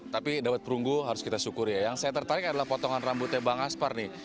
tapi dapat perunggu harus kita syukur ya yang saya tertarik adalah potongan rambutnya bang aspar nih